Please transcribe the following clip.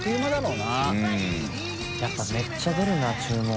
やっぱめっちゃ出るんだな注文。